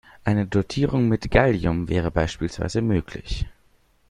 Eine Dotierung mit Gallium wäre beispielsweise möglich.